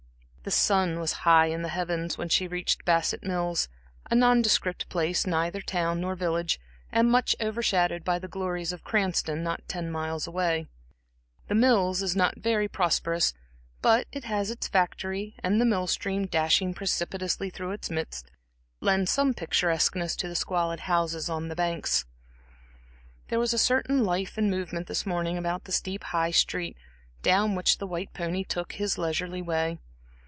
The sun was high in the heavens when she reached Bassett Mills, a nondescript place, neither town nor village, and much over shadowed by the glories of Cranston, not ten miles away. "The Mills" is not very prosperous, but it has its factory, and the mill stream, dashing precipitously through its midst, lends some picturesqueness to the squalid houses on its banks. There was a certain life and movement this morning about the steep High Street, down which the white pony took his leisurely way.